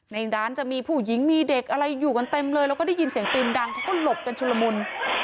ในร้านจะมีผู้หญิงมีเด็กอะไรอยู่กันเต็มเลยแล้วก็ได้ยินเสียงปืนดังเขาก็หลบกันชุลมุน